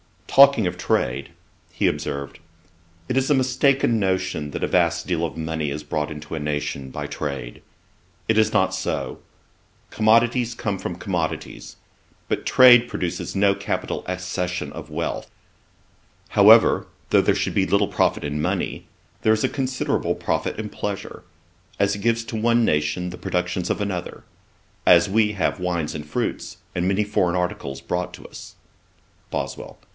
Talking of trade, he observed, 'It is a mistaken notion that a vast deal of money is brought into a nation by trade. It is not so. Commodities come from commodities; but trade produces no capital accession of wealth. However, though there should be little profit in money, there is a considerable profit in pleasure, as it gives to one nation the productions of another; as we have wines and fruits, and many other foreign articles, brought to us.' BOSWELL.